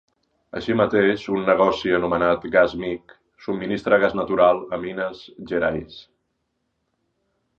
Així mateix, un negoci anomenat Gasmig subministra gas natural a Minas Gerais.